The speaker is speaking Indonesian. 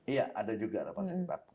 iya ada juga rumah sakit apung